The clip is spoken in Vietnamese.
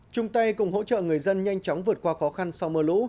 trung tây cùng hỗ trợ người dân nhanh chóng vượt qua khó khăn sau mưa lũ